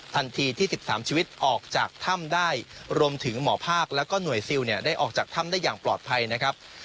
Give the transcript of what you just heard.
ทันทีที่๑๓ชีวิตออกจากถ้ำได้รวมถึงหมอภาคแล้วก็หน่วยซิลเนี่ยได้ออกจากถ้ำได้อย่างปลอดภัยนะครับ